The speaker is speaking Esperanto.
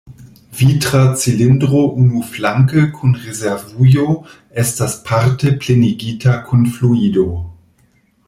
Vitra cilindro unuflanke kun rezervujo estas parte plenigita kun fluido.